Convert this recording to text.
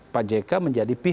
pak jk menjadi pihak